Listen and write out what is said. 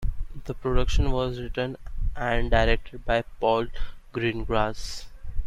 The production was written and directed by Paul Greengrass.